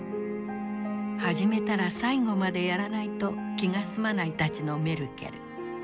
始めたら最後までやらないと気が済まないたちのメルケル。